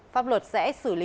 pháp luật sẽ xử lý